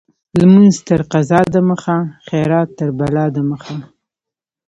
لمونځ تر قضا د مخه ، خيرات تر بلا د مخه.